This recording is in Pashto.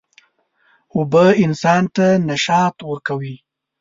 اوبه انسان ته نشاط ورکوي.